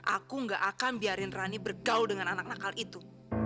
aku gak akan biarin rani bergaul dengan anak nakal itu